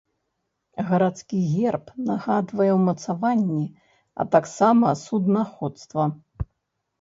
Гарадскі герб нагадвае ўмацаванні, а таксама суднаходства.